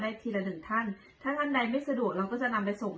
ทีละหนึ่งท่านถ้าท่านใดไม่สะดวกเราก็จะนำไปส่ง